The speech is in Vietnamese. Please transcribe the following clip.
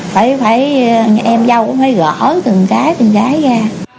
phải phải em dâu cũng phải gỡ từng cái từng cái ra